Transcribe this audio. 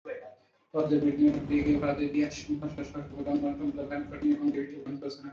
পরবর্তীতে ব্রিটেনে ফিরে গিয়ে ভারতের ইতিহাস, ভাষা, শাসক ও জনগণ সম্পর্কে অধ্যয়ন করেন এবং এ বিষয়ে গ্রন্থ রচনা করেন।